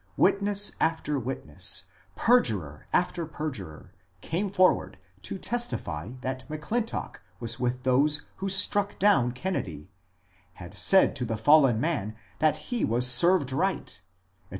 Witness after witness — perjurer after per jurer— came forward to testify that M'Clintock was with those who struck down Kennedy, had said to the fallen man that he was served right, etc.